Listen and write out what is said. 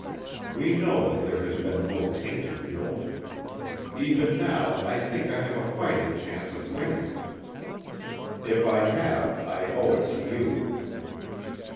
We know that there has been no taint of guilt. Even now I think I have a fighting chance of winning. If I have I owe it to you...."